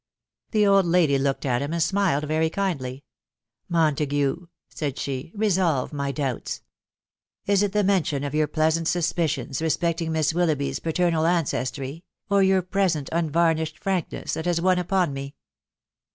The old lady looked at him and smiled very kindly. a Mon tague/' said she, <" resolve my doubts. Is it the mention of yoar pleasant suspicions respecting Miss WiHougbbys paternal ancestry, .... or your present unvarnished Tnatrikness, that has won upon me?